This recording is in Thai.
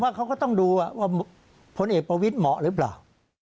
เขาก็ต้องดูว่าพลเอกประวิทย์เหมาะหรือเปล่า